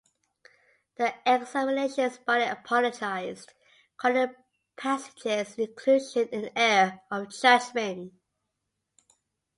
The examinations body apologized, calling the passage's inclusion an error of judgement.